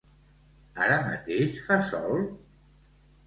Ara mateix fa sol?